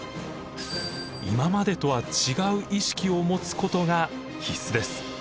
今までとは違う意識を持つことが必須です。